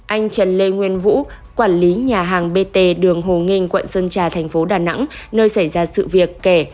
anh trần lê nguyên vũ quản lý nhà hàng bt đường hồ nghinh quận sơn trà thành phố đà nẵng nơi xảy ra sự việc kẻ